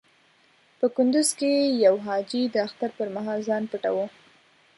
په کندز کې يو حاجي د اختر پر مهال ځان پټاوه.